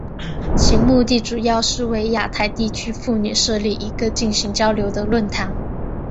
其目的主要是为亚太地区妇女设立一个进行交流的论坛。